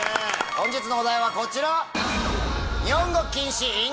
本日のお題はこちら！